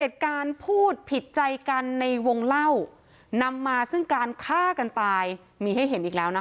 เหตุการณ์พูดผิดใจกันในวงเล่านำมาซึ่งการฆ่ากันตายมีให้เห็นอีกแล้วนะคะ